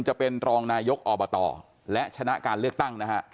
จะเป็นรองนายกอบตและชนะการเลือกตั้งนะฮะ